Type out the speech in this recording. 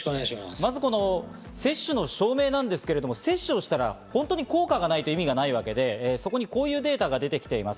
まず接種の証明なんですけど、接種をしたら本当に効果がないと意味がないわけで、こういうデータが出てきています。